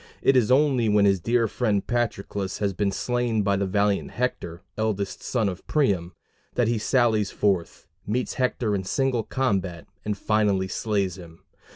It is only when his dear friend Patroclus has been slain by the valiant Hector, eldest son of Priam, that he sallies forth, meets Hector in single combat, and finally slays him.